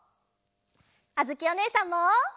あづきおねえさんも！